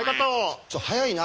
ちょっ早いな！